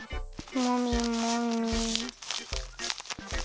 もみもみ。